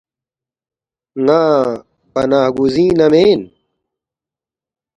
ن٘ا پناہ گزین نہ مین